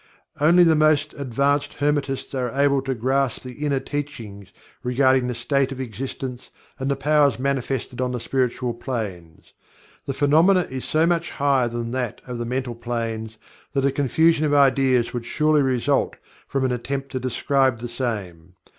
Only the most advanced Hermetists are able to grasp the Inner Teachings regarding the state of existence, and the powers manifested on the Spiritual Planes. The phenomena is so much higher than that of the Mental Planes that a confusion of ideas would surely result from an attempt to describe the same.